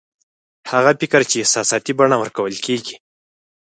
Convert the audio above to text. هغه فکر چې احساساتي بڼه ورکول کېږي